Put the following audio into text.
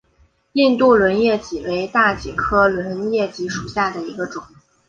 印度轮叶戟为大戟科轮叶戟属下的一个种。